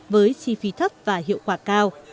với chi phí thấp và hiệu quả cao